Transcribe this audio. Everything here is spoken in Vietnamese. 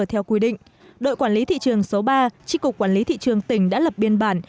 theo quy định đội quản lý thị trường số ba tri cục quản lý thị trường tỉnh đã lập biên bản